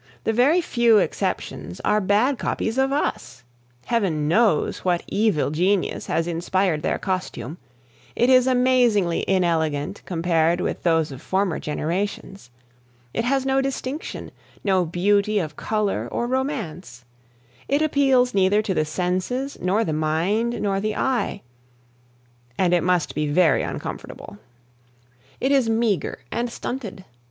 The very few exceptions are bad copies of us. Heaven knows what evil genius has inspired their costume; it is amazingly inelegant compared with those of former generations. It has no distinction, no beauty of color or romance; it appeals neither to the senses, nor the mind, nor the eye, and it must be very uncomfortable. It is meagre and stunted.